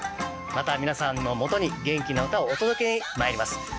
また皆さんのもとに元気な唄をお届けにまいります。